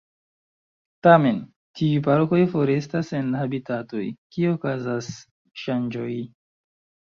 Tamen, tiuj parkoj forestas en habitatoj kie okazas ŝanĝoj.